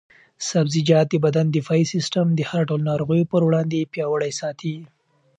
سبزیجات د بدن دفاعي سیسټم د هر ډول ناروغیو پر وړاندې پیاوړی ساتي.